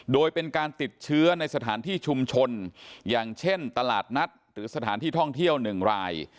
โดยเป็นการติดเชื้อในสถานที่ชุมชนอย่างเช่นตลาดนัดหรือสถานที่ท่องเที่ยว๑ราย